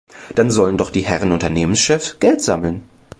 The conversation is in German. Dann sollen doch die Herren Unternehmenschefs Geld sammeln!